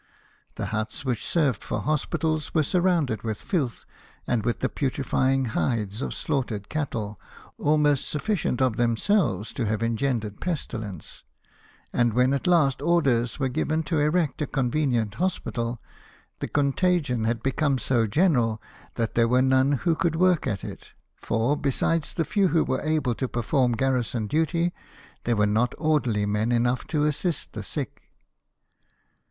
The huts which served for hospitals were surrounded with lilth and with the putrefying hides of slaughtered cattle, almost suffi cient of themselves to have engendered pestilence ; and when at last orders were given to erect a con venient hospital, the contagion had become so general that there were none who could work at it, for, besides the few who were able to perform garrison duty, there were not orderly men enough to assist the sick.